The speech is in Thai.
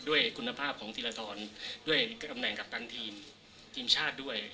ด้วยคุณภาพของธีรทรด้วยตำแหน่งกัปตันทีมทีมชาติด้วย